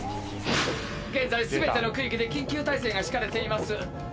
「現在全ての区域で緊急態勢が敷かれています」